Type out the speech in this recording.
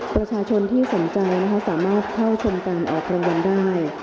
ประชาชนที่สนใจนะคะสามารถเข้าชมการออกรางวัลได้